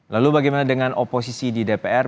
lalu bagaimana dengan oposisi di dpr